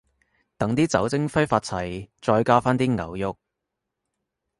等啲酒精揮發齊，再加返啲牛肉